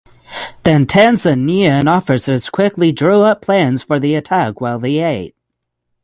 The Tanzanian officers quickly drew up plans for the attack while they ate.